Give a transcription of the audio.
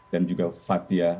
dan juga fathia